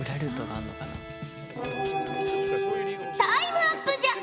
タイムアップじゃ！